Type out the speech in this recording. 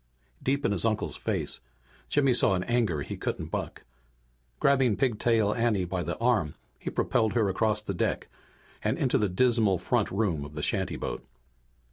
Deep in his uncle's face Jimmy saw an anger he couldn't buck. Grabbing Pigtail Anne by the arm, he propelled her across the deck and into the dismal front room of the shantyboat.